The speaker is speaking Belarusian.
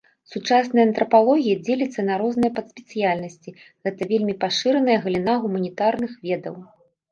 Сучасная антрапалогія дзеліцца на розныя падспецыяльнасці, гэта вельмі пашыраная галіна гуманітарных ведаў.